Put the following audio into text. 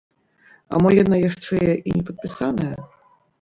А мо яна яшчэ і не падпісаная?